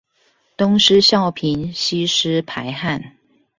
東施效顰，吸濕排汗